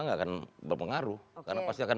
nggak akan berpengaruh karena pasti akan